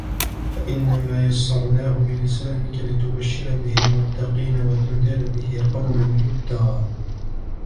فإنما يسرناه بلسانك لتبشر به المتقين وتنذر به قوما لدا